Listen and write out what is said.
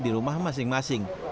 di rumah masing masing